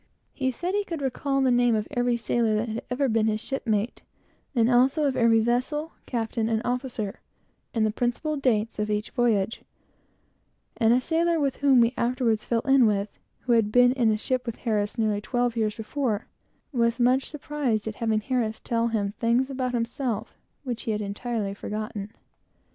He knew the name of every sailor that had ever been his shipmate, and also, of every vessel, captain, and officer, and the principal dates of each voyage; and a sailor whom he afterwards fell in with, who had been in a ship with Harris nearly twelve years before, was very much surprised at having Harris tell him things about himself which he had entirely forgotten.